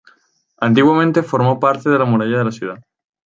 Antiguamente formó parte de la muralla de la ciudad.